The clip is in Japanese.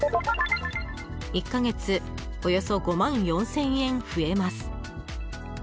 １か月およそ５万４０００円増えます。